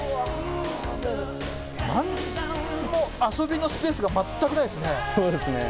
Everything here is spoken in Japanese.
なんにも遊びのスペースが全くないですね。